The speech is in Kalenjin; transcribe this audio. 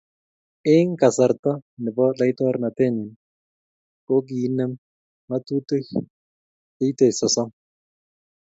Eng kasarta nebo laitornatenyi kokiinem ngátutiik cheitei sosom.